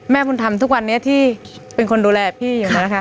บุญธรรมทุกวันนี้ที่เป็นคนดูแลพี่อยู่นะคะ